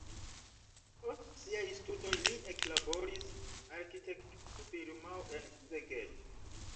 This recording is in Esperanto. Post siaj studoj li eklaboris arkitektura firmao en Szeged.